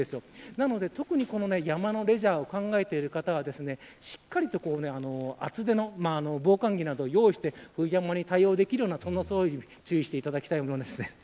なので山のレジャーを考えている方はしっかりと厚手の防寒着などを用意して冬山に対応できるような装備に注意してほしいです。